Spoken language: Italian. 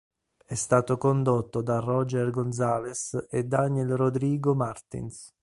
È stato condotto da Roger González e Daniel Rodrigo Martins.